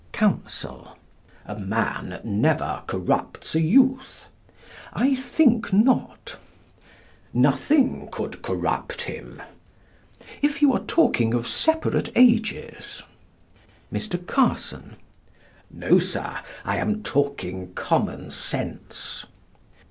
Counsel: A man never corrupts a youth? I think not. Nothing could corrupt him? If you are talking of separate ages. Mr. Carson: No, Sir, I am talking common sense.